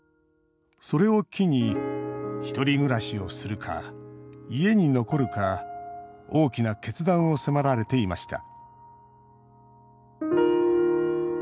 それを機に１人暮らしをするか、家に残るか大きな決断を迫られていました。